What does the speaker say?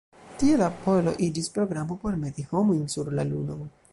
Tiel Apollo iĝis programo por meti homojn sur la Lunon.